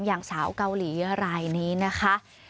อย่างสาวเกาหลีรายนี้นะคะ